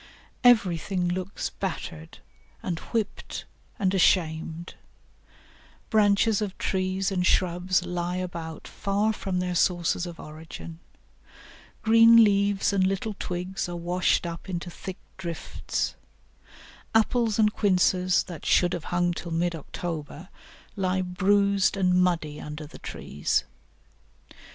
Everything looks battered, and whipped, and ashamed; branches of trees and shrubs lie about far from their sources of origin; green leaves and little twigs are washed up into thick drifts; apples and quinces, that should have hung till mid October, lie bruised and muddy under the trees.